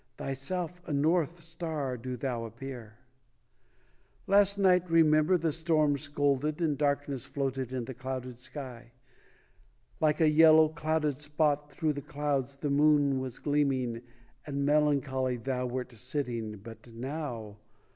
Thyself a north star do thou appear ! Last night, remember, the storm scolded, And darkness floated in the clouded sky; Like a yellow, clouded spot Thro* the clouds the moon was gleaming And melancholy thou wert sitting But now